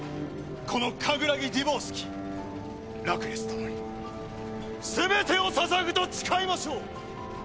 このカグラギ・ディボウスキラクレス殿に全てを捧ぐと誓いましょう！